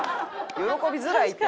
喜びづらいって。